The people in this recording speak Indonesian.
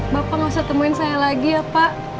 bapak nggak usah temuin saya lagi ya pak